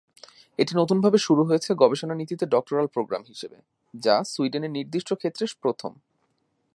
এটি নতুনভাবে শুরু হয়েছে গবেষণা নীতিতে ডক্টরাল প্রোগ্রাম হিসেবে, যা সুইডেনে নির্দিষ্ট ক্ষেত্রে প্রথম।